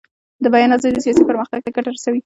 د بیان ازادي سیاسي پرمختګ ته ګټه رسوي